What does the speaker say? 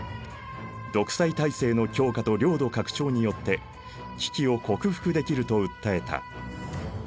独裁体制の強化と領土拡張によって危機を克服できると訴えた。